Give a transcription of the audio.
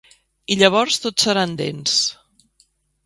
I llavors tot seran dents.